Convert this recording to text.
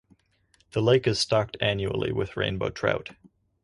The lake is stocked annually with rainbow trout.